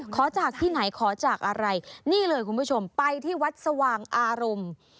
ขอจากที่ไหนขอจากอะไรนี่เลยคุณผู้ชมไปที่วัดสว่างอารมณ์